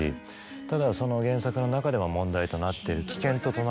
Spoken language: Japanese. ただその原作の中で問題となっている。